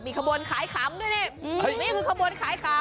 ขบวนขายขำด้วยนี่นี่คือขบวนขายขำ